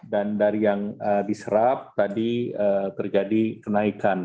dan dari yang diserap tadi terjadi kenaikan